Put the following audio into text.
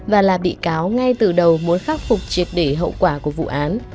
và là bị cáo ngay từ đầu muốn khắc phục triệt để hậu quả của vụ án